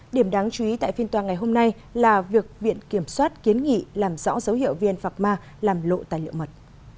điểm đáng chú ý tại phiên tòa ngày hôm nay là việc viện kiểm soát kiến nghị làm rõ dấu hiệu vn phạc ma làm lộ tài liệu mật